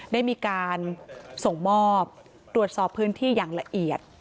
ได้มีการส่งมอบตรวจสอบพื้นที่อย่างละเอียด